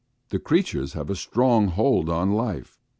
The creatures have a strong hold on life.